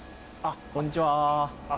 こんにちは。